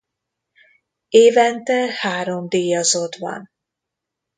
Évente három díjazott van.